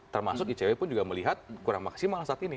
termasuk icw pun juga melihat kurang maksimal saat ini